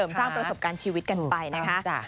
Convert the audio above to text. สร้างประสบการณ์ชีวิตกันไปนะคะ